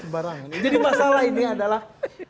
sebarang jadi masalah ini adalah